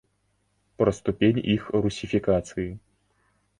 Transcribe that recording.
Пра ступень іх русіфікацыі?